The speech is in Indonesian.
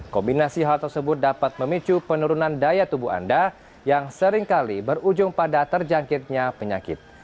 kombinasi hal tersebut dapat memicu penurunan daya tubuh anda yang seringkali berujung pada terjangkitnya penyakit